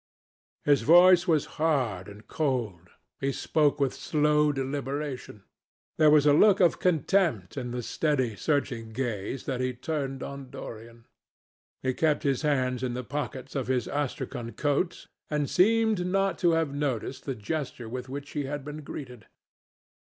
His voice was hard and cold. He spoke with slow deliberation. There was a look of contempt in the steady searching gaze that he turned on Dorian. He kept his hands in the pockets of his Astrakhan coat, and seemed not to have noticed the gesture with which he had been greeted.